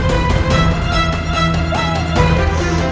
kenapa kamu memainkan